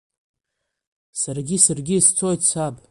Саргьы, саргьы сцоит, саб.